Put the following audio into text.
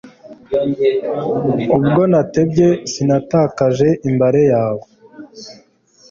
Ubwo natebye, Sinatakaje imbare yawe